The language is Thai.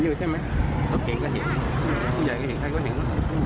ผู้ใหญ่ก็เห็นใครก็เห็น